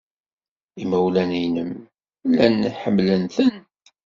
Imawlan-nnem llan ḥemmlen-ten.